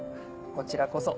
こちらこそ。